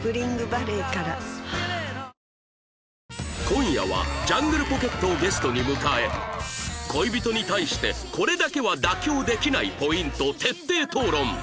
今夜はジャングルポケットをゲストに迎え恋人に対してこれだけは妥協できないポイント徹底討論！